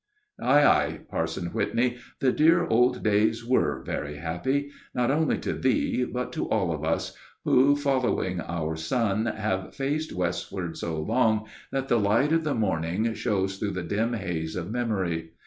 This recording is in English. Ay, ay! Parson Whitney, the dear old days were very happy, not only to thee, but to all of us, who, following our sun, have fared westward so long that the light of the morning shows dull through the dim haze of memory.